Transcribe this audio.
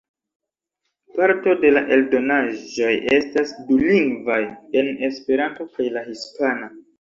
Parto de la eldonaĵoj estas dulingvaj, en Esperanto kaj la hispana.